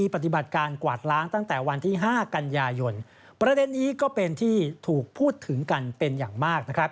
ประเด็นนี้ก็เป็นที่ถูกพูดถึงกันเป็นอย่างมาก